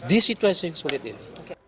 di situasi yang sulit ini